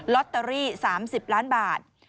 ลอตเตอรี่๓๐ล้านบาท